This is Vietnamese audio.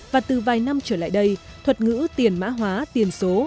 và từ vài năm trở lại đây thuật ngữ tiền mã hóa tiền số